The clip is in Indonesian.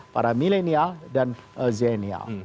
para milenial dan zennial